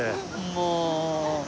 もう。